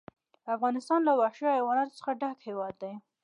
افغانستان له وحشي حیواناتو څخه ډک هېواد دی.